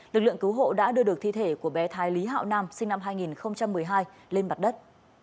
lực lượng cứu hộ đã đưa được thi thể của bé thái lý hạo nam sinh năm hai nghìn một mươi hai lên mặt đất